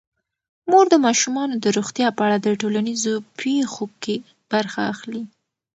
مور د ماشومانو د روغتیا په اړه د ټولنیزو پیښو کې برخه اخلي.